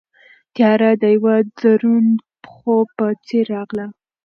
تیاره د یوه دروند خوب په څېر راغله.